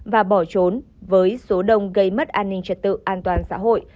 và bỏ trốn với số đông gây mất an ninh trật tự an toàn xã hội